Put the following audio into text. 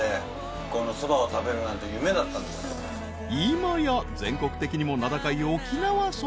［今や全国的にも名高い沖縄そば］